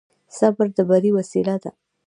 صبر د بري وسيله ده.